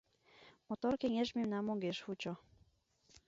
Мотор кеҥеж мемнам огеш вучо.